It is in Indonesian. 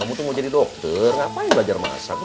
mau jadi dokter ngapain belajar masak